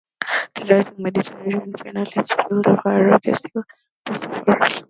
The rising Mediterranean finally spilled over a rocky sill at the Bosphorus.